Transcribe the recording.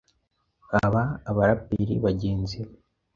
haba abaraperi bagenzi be